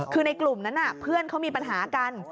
คือในกลุ่มนั้นเพื่อนเขามีปัญหากัน